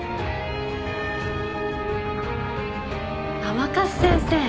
甘春先生。